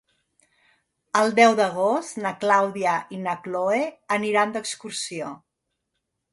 El deu d'agost na Clàudia i na Cloè aniran d'excursió.